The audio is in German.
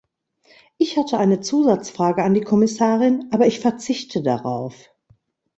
Ich hatte eine Zusatzfrage an die Kommissarin, aber ich verzichte darauf.